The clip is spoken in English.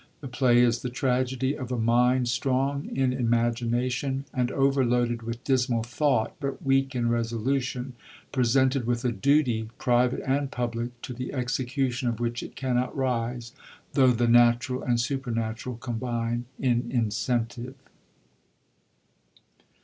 The play is the tragedy of a mind strong in imagination and over loaded with dismal thought, but weak in resolution, presented with a duty, private and public, to the execution of which it cannot rise, tho' the natural and supernatural combine in incentive.